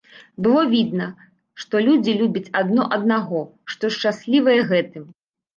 Было відно, што людзі любяць адно аднаго, што шчаслівыя гэтым.